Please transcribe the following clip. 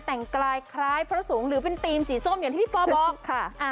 แต่งกายคล้ายพระสงฆ์หรือเป็นธีมสีส้มอย่างที่พี่ปอบอกค่ะ